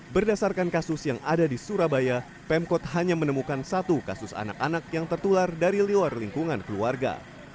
berdasarkan kasus yang ada di surabaya pemkot hanya menemukan satu kasus anak anak yang tertular dari luar lingkungan keluarga